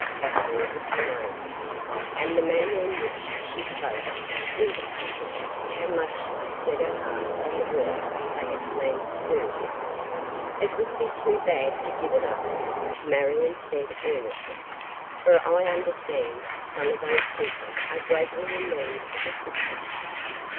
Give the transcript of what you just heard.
Katherine exclaimed, and the manner in which she spoke indicated how much she had set her heart on the work they had planned to do. "It would be too bad to give it up," Marion said earnestly, "for I understand some of those people are greatly in need of assistance.